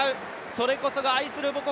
それこそが愛する母国